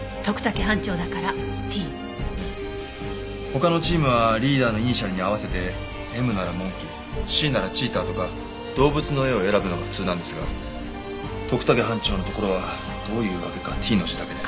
他のチームはリーダーのイニシャルに合わせてＭならモンキーＣならチーターとか動物の絵を選ぶのが普通なんですが徳武班長のところはどういうわけかＴの字だけで。